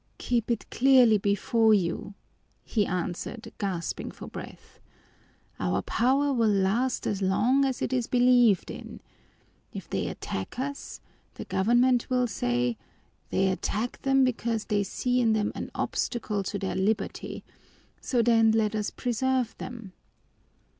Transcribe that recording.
"Keep it clearly before you," he answered, gasping for breath. "Our power will last as long as it is believed in. If they attack us, the government will say, 'They attack them because they see in them an obstacle to their liberty, so then let us preserve them.'"